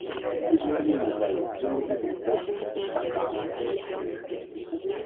ikuzo n'umugayo, byombi biba mu magambo